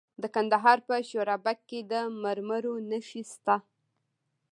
د کندهار په شورابک کې د مرمرو نښې شته.